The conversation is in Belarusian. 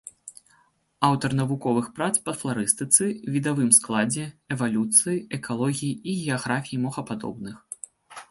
Аўтар навуковых прац па фларыстыцы, відавым складзе, эвалюцыі, экалогіі і геаграфіі мохападобных.